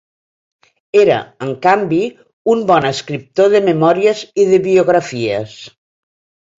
Era, en canvi, un bon escriptor de memòries i de biografies.